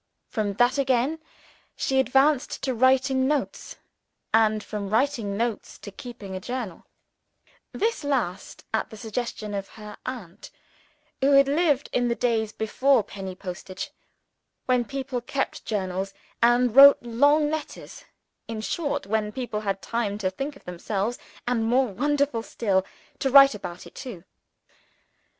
From that again, she advanced to writing notes; and from writing notes to keeping a journal this last, at the suggestion of her aunt, who had lived in the days before penny postage, when people kept journals, and wrote long letters in short, when people had time to think of themselves, and, more wonderful still, to write about it too.